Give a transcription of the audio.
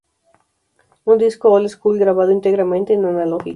Un disco old school grabado íntegramente en analógico.